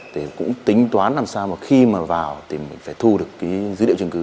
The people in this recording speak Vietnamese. thì cũng tính toán làm sao mà khi mà vào thì mình phải thu được cái dữ liệu chứng cứ